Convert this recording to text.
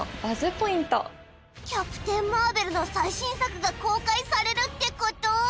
ポイントキャプテン・マーベルの最新作が公開されるってこと？